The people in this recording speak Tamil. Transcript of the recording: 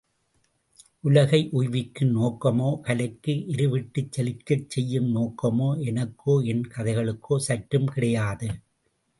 உலகை உய்விக்கும் நோக்கமோ, கலைக்கு எருவிட்டுச் செழிக்கச் செய்யும் நோக்கமோ, எனக்கோ, என் கதைகளுக்கோ சற்றும் கிடையாது.